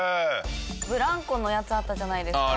ブランコのやつあったじゃないですか。